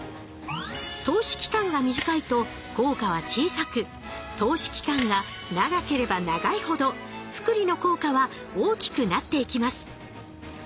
投資期間が短いと効果は小さく投資期間が長ければ長いほど複利の効果は大きくなっていきます